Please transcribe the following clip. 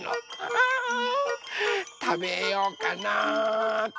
あたべようかなっと。